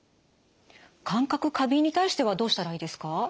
感覚過敏に対してはどうしたらいいですか？